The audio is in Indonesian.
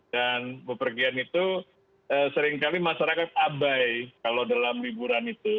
dan berpergian itu seringkali masyarakat abai kalau dalam liburan itu